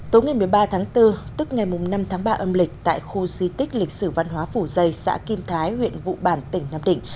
tối ngày một mươi ba tháng bốn tức ngày năm tháng ba âm lịch tại khu di tích lịch sử văn hóa phủ dây xã kim thái huyện vụ bản tỉnh nam định